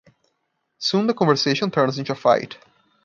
Soon the conversation turns into a fight.